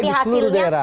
di seluruh daerah